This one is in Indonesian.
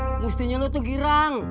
eh den mustinya lo tuh girang